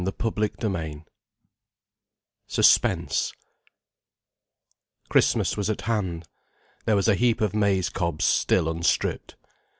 CHAPTER XVI SUSPENSE Christmas was at hand. There was a heap of maize cobs still unstripped.